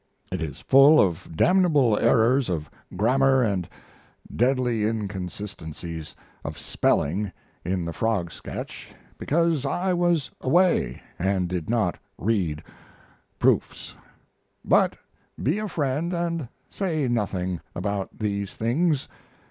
It is full of damnable errors of grammar and deadly inconsistencies of spelling in the Frog sketch, because I was away and did not read proofs; but be a friend and say nothing about these things.